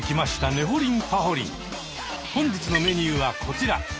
本日のメニューはこちら。